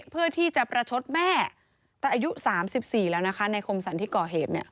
เพื่อที่จะประชดแม่แต่อายุสามสิบสี่แล้วนะคะในโคมศัลย์ที่ก่อเหตุเนี้ย